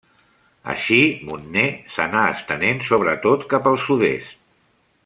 Així, Montner s'anà estenent sobretot cap al sud-est.